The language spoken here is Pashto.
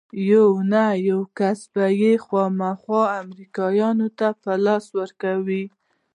يو نه يو کس به يې خامخا امريکايانو ته په لاس ورکاوه.